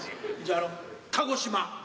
じゃああの鹿児島。